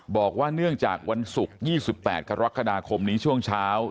บอกว่าเนื่องจากวันศุกร์๒๘กรกฎาคมนี้ช่วงเช้า